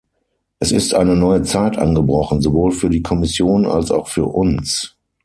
Es ist eine neue Zeit angebrochen, sowohl für die Kommission als auch für uns.